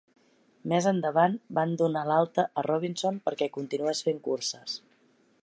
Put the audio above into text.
Més endavant van donar l'alta a Robinson perquè continues fent curses.